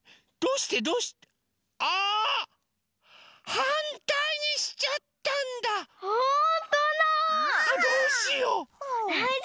はんたいにしちゃったんだ！